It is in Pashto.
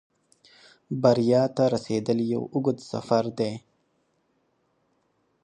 بریا ته رسېدل یو اوږد سفر دی.